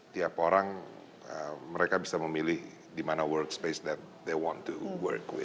tiap orang mereka bisa memilih di mana workspace yang mereka ingin bekerja